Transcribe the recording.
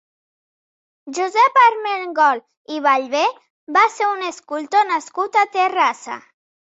Josep Armengol i Ballver va ser un escultor nascut a Terrassa.